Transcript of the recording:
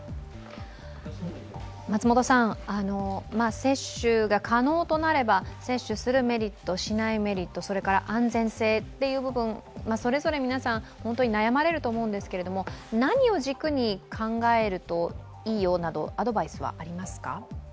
接種が可能となれば接種するメリット、しないメリット、安全性っていう部分それぞれ皆さん、本当に悩まれると思うんですが何を軸に考えるといいよなど、アドバイスはありますか？